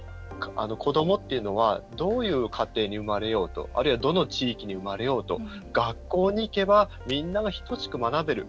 子どもっていうのはどういう家庭に生まれようとあるいはどの地域に生まれようと学校に行けば、みんなが等しく学べる。